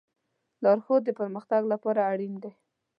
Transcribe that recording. لارښود د پرمختګ لپاره اړین دی.